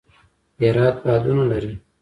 هرات بادونه لري